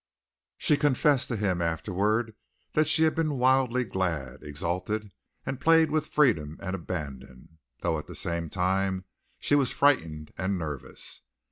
She confessed to him afterward that she had been wildly glad, exalted, and played with freedom and abandon, though at the same time she was frightened and nervous.